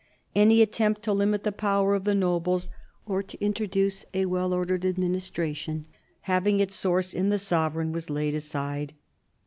Any attempt to limit the power of the nobles, or to introduce a well ordered administra tion having its source in the sovereign, was laid aside.